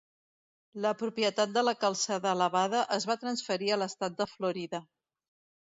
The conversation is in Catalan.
La propietat de la calçada elevada es va transferir a l'estat de Florida.